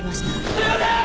すいません！